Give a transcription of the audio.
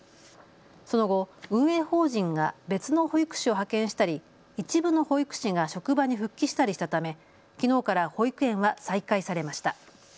その後、運営法人が別の保育士を派遣したり一部の保育士が職場に復帰したりしたため、きのうから保育園は再開されました。